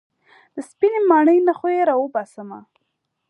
د سپينې ماڼۍ نه خو يې راوباسمه.